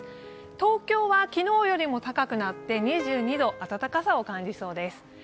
東京は昨日よりも高くなって２２度、温かさを感じそうです。